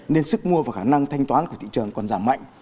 nên sức mua và khả năng thanh toán của thị trường còn giảm mạnh